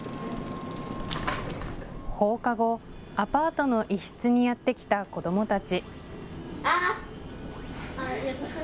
放課後、アパートの一室にやって来た子どもたち。